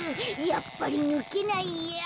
やっぱりぬけないや。